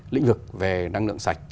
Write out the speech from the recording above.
lĩnh vực về năng lượng sạch